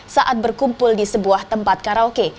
saat berkumpul di sebuah tempat karaoke